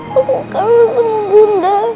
jangan nyembah bung banda